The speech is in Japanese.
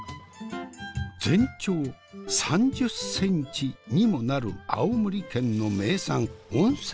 全長３０ｃｍにもなる青森県の名産温泉もやし。